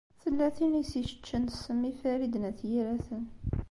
Tella tin i s-iseččen ssem i Farid n At Yiraten.